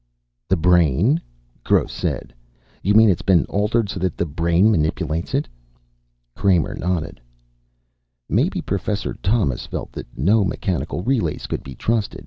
"The brain?" Gross said. "You mean it's been altered so that the brain manipulates it?" Kramer nodded. "Maybe Professor Thomas felt that no mechanical relays could be trusted.